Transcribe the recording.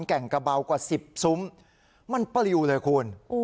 แก่งกระเบากว่า๑๐ซุ้มมันปลิวเลยคุณ